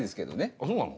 あっそうなの？